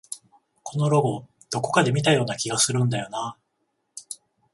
このロゴ、どこかで見たような気がするんだよなあ